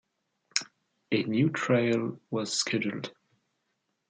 A new trial was scheduled.